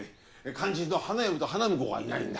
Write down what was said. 肝心の花嫁と花婿がいないんだ。